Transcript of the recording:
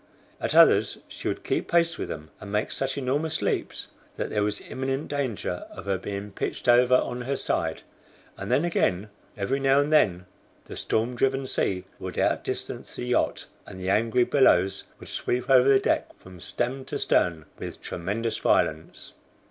At others, she would keep pace with them, and make such enormous leaps that there was imminent danger of her being pitched over on her side, and then again, every now and then the storm driven sea would out distance the yacht, and the angry billows would sweep over the deck from stem to stern with tremendous violence.